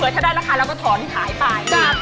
ถ้าได้ราคาเราก็ถอนขายไป